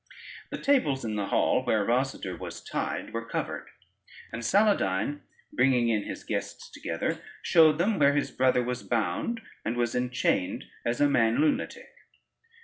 The tables in the hall, where Rosader was tied, were covered, and Saladyne bringing in his guests together, showed them where his brother was bound, and was enchained as a man lunatic.